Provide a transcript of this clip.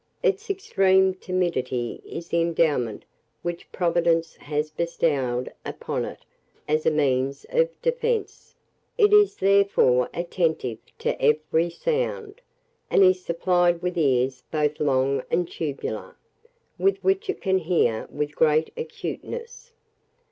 Its extreme timidity is the endowment which Providence has bestowed upon it as a means of defence; it is therefore attentive to every sound, and is supplied with ears both long and tubular, with which it can hear with great acuteness.